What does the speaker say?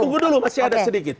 tunggu dulu masih ada sedikit